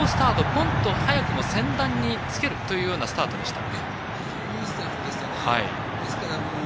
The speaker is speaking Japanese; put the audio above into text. ぽんと早くも先団につけるというスタートでした。